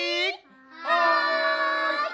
はい！